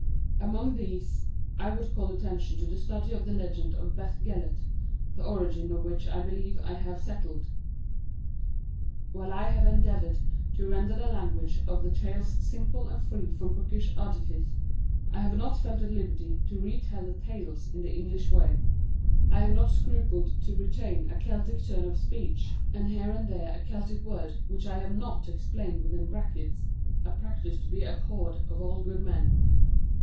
Among these, I would call attention to the study of the legend of Beth Gellert, the origin of which, I believe, I have settled. While I have endeavoured to render the language of the tales simple and free from bookish artifice, I have not felt at liberty to re tell the tales in the English way. I have not scrupled to retain a Celtic turn of speech, and here and there a Celtic word, which I have not explained within brackets a practice to be abhorred of all good men.